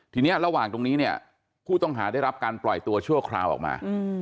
ทีนี้ระหว่างตรงนี้เนี่ยผู้ต้องหาได้รับการปล่อยตัวชั่วคราวออกมา